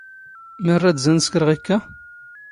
ⵎⴰ ⵔⴰⴷ ⵣⴰ ⵏⵙⴽⵔ ⵖⵉⴽⴽⴰ?